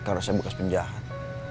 karena saya bekas penjahat